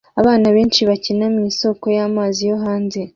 Abana benshi bakina mu isoko y'amazi yo hanze